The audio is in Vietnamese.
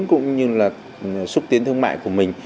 cũng như là xúc tiến thương mại của mình